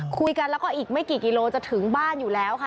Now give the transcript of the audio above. คุยกันแล้วก็อีกไม่กี่กิโลจะถึงบ้านอยู่แล้วค่ะ